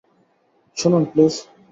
শুনুন, প্লিজ!